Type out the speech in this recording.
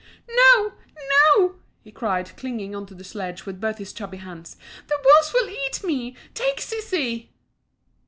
"No, no," he cried, clinging on to the sledge with both his chubby hands. "The wolves will eat me! Take sissy."